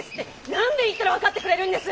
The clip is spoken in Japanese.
何べん言ったら分かってくれるんです！